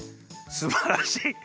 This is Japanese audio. すばらしい。